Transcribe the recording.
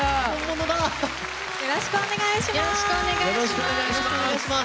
よろしくお願いします。